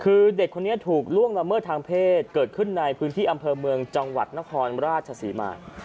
คือเด็กคนนี้ถูกล่วงละเมิดทางเพศเกิดขึ้นในพื้นที่อำเภอเมืองจังหวัดนครราชศรีมา